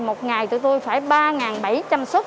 một ngày tụi tôi phải ba bảy trăm linh xuất